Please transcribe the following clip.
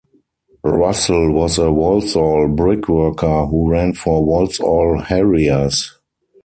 Russell was a Walsall brick worker who ran for Walsall Harriers.